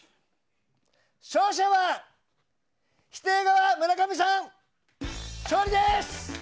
勝者は否定側、村上さん勝利です！